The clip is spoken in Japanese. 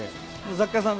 雑貨屋さん